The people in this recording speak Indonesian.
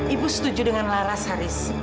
ibu setuju dengan laras haris